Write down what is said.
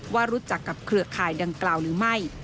ว่ารู้จักกับเครือข่ายดังกล่าวหรือไม่